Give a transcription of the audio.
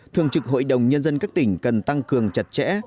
thường trực hội đồng nhân dân các tỉnh cần tăng cường chặt chẽ